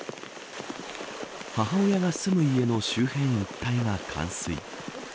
母親が住む家の周辺一帯が冠水。